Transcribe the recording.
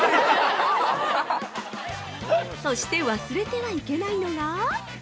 ◆そして忘れてはいけないのが◆